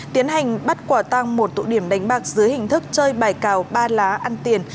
tiến hành bắt quả tăng một tụ điểm đánh bạc dưới hình thức chơi bài cào ba lá ăn tiền